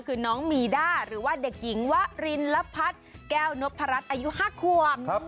คือน้องมีด้าหรือว่าเด็กหญิงวะรินลพัฒน์แก้วนพรัชอายุ๕ควบ